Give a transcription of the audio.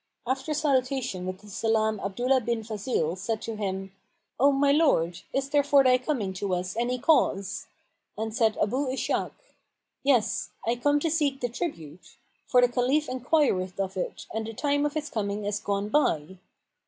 After salutation with the salam Abdullah bin Fazil said to him "O my lord, is there for thy coming to us any cause?;" and said Abu Ishak, "Yes, I come to seek the tribute; for the Caliph enquireth of it and the time of its coming is gone by."